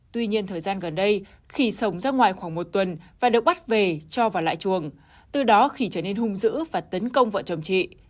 tuy nhiên thời gian gần đây khỉ sống ra ngoài khoảng một tuần và được bắt về cho vào lại chuồng từ đó khỉ trở nên hung dữ và tấn công vợ chồng chị